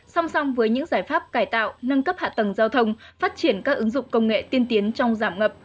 song song với những giải pháp cải tạo nâng cấp hạ tầng giao thông phát triển các ứng dụng công nghệ tiên tiến trong giảm ngập